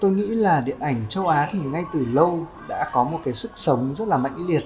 tôi nghĩ là điện ảnh châu á thì ngay từ lâu đã có một cái sức sống rất là mạnh liệt